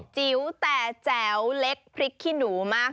จิ๋วแต่แจ๋วเล็กพริกขี้หนูมาก